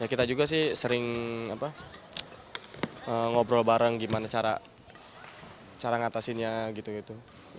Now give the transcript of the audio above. kita juga sih sering ngobrol bareng gimana cara ngatasinnya gitu gitu